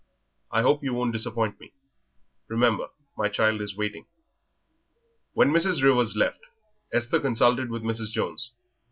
I hope you won't disappoint me; remember my child is waiting." When Mrs. Rivers left, Esther consulted with Mrs. Jones.